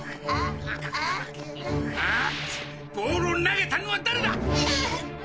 ボールを投げたのは誰だ！？